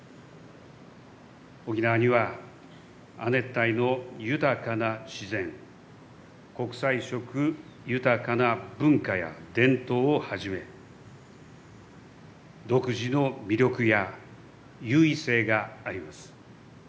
沖縄には、亜熱帯の豊かな自然国際色豊かな文化や伝統をはじめ独自の魅力や優位性があります。